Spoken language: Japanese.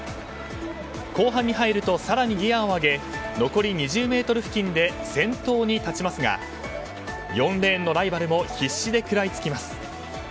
後半に入ると更にギアを上げ残り２０ｍ付近で先頭に立ちますが４レーンのライバルも必死で食らいつきます。